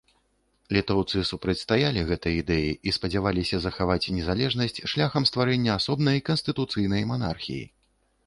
Літоўцы супрацьстаялі гэтай ідэі і спадзяваліся захаваць незалежнасць шляхам стварэння асобнай канстытуцыйнай манархіі.